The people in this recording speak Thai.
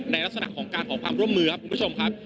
ลักษณะของการขอความร่วมมือครับคุณผู้ชมครับ